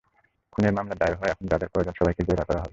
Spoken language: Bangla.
খুনের মামলা দায়ের হওয়ায় এখন যাদের প্রয়োজন, সবাইকেই জেরা করা হবে।